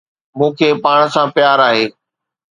مون کي پاڻ سان پيار آهي